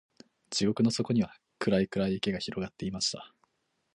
地獄の底には、暗い暗い池が広がっていました。